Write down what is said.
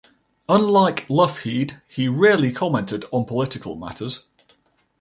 Unlike Lougheed, he rarely commented on political matters.